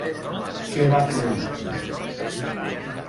Què va aclarir Jan?